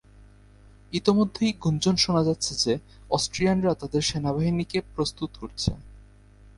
ইতোমধ্যেই গুঞ্জন শোনা যাচ্ছে যে অস্ট্রিয়ানরা তাদের সেনাবাহিনীকে প্রস্তুত করছে।